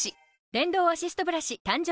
電動アシストブラシ誕生